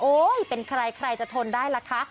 โอ้ยเป็นใครจะทนได้ละคะ